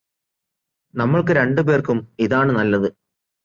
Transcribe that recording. നമ്മൾക്ക് രണ്ടു പേർക്കും ഇതാണ് നല്ലത്